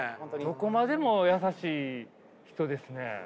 どこまでも優しい人ですね。